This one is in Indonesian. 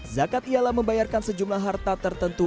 zakat ialah membayarkan sejumlah harta tertentu